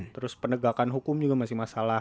terus penegakan hukum juga masih masalah